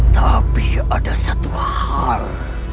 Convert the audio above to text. tapi ada satu hal